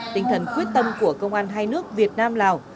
tinh thần quyết tâm của công an hai nước việt nam lào